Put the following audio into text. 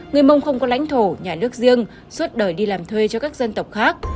người mông không có lãnh thổ nhà nước riêng suốt đời đi làm thuê cho các dân tộc khác